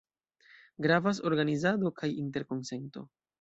Gravas organizado kaj interkonsento.